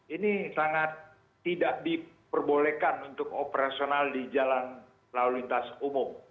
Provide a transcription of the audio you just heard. ini sangat tidak diperbolehkan untuk operasional di jalan lalu lintas umum